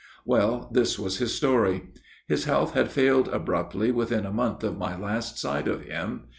"Well, this was his story. His health had failed abruptly within a month of my last sight of him.